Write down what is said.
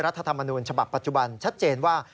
ธรรมนูญฉบับปัจจุบันชัดเจนว่า